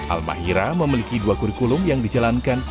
al mahira memiliki dua kurikulum yang dijalankan